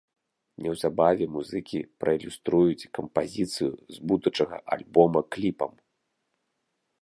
Неўзабаве музыкі праілюструюць кампазіцыю з будучага альбома кліпам.